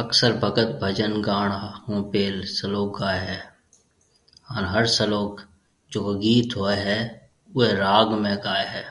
اڪثر ڀگت ڀجن گاوڻ هون پيل سلوڪ گاوي هي هان هر سلوڪ جڪو گيت هوئي هي اوئي راگ ۾ گاوي هي